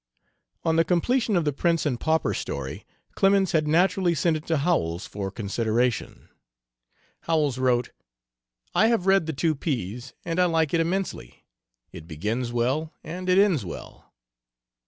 On the completion of The Prince and Pauper story, Clemens had naturally sent it to Howells for consideration. Howells wrote: "I have read the two P's and I like it immensely, it begins well and it ends well."